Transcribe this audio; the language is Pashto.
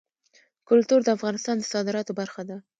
کلتور د افغانستان د صادراتو برخه ده.